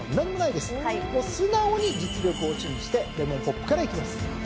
素直に実力を信じてレモンポップからいきます！